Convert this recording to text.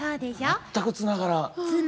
全くつながらん。